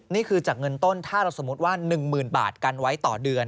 นี่คือจากเงินต้นถ้าเราสมมุติว่า๑๐๐๐บาทกันไว้ต่อเดือน